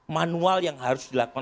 manual yang harus dilakukan